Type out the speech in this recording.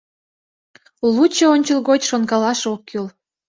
Лучо ончылгоч шонкалаш ок кӱл.